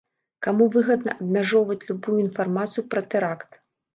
Каму выгадна абмяжоўваць любую інфармацыю пра тэракт?